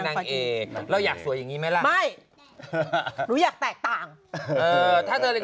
เขาต้องมีของเขาเอง